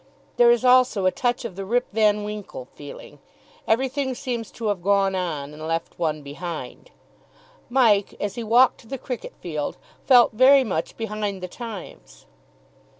There is also a touch of the Rip van Winkle feeling. Everything seems to have gone on and left one behind. Mike, as he walked to the cricket field, felt very much behind the times.